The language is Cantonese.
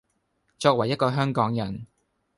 作為一個香港人